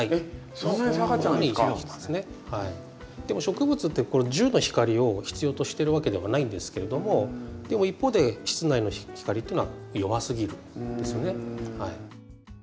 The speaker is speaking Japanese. でも植物ってこの１０の光を必要としてるわけではないんですけれどもでも一方で室内の光っていうのは弱すぎるんですよね。